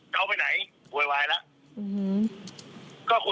กลัวไหมคะหรือยังไงอ๋อกลัวครับ